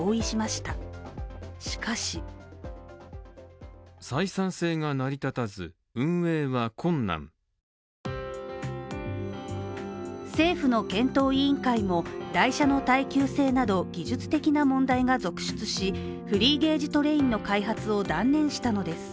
しかし政府の検討委員会も、台車の耐久性など技術的な問題が続出しフリーゲージトレインの開発を断念したのです。